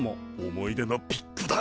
思い出のピックだ！